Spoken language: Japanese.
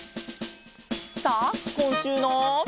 さあこんしゅうの。